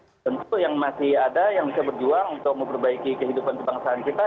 tentu yang masih ada yang bisa berjuang untuk memperbaiki kehidupan kebangsaan kita